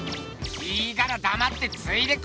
いいからだまってついてこい！